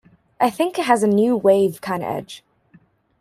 I think it has a new wave kinda edge.